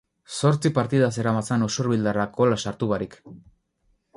Zortzi partida zeramatzan usurbildarrak gola sartu barik.